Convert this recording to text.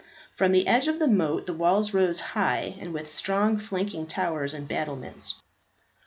From the edge of the moat the walls rose high, and with strong flanking towers and battlements.